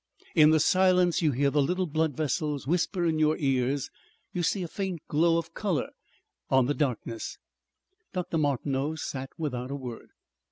In the silence you hear the little blood vessels whisper in your ears. You see a faint glow of colour on the darkness...." Dr. Martineau sat without a word.